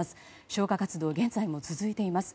消火活動は現在も続いています。